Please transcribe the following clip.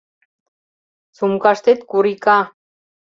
Сумкаштет курика...»